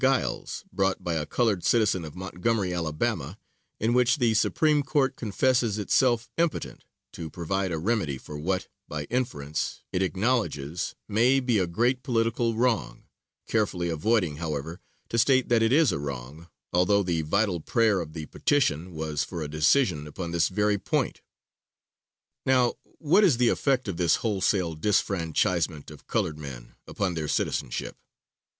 Giles, brought by a colored citizen of Montgomery, Alabama, in which the Supreme Court confesses itself impotent to provide a remedy for what, by inference, it acknowledges may be a "great political wrong," carefully avoiding, however, to state that it is a wrong, although the vital prayer of the petition was for a decision upon this very point. Now, what is the effect of this wholesale disfranchisement of colored men, upon their citizenship.